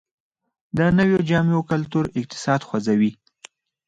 د نویو جامو کلتور اقتصاد خوځوي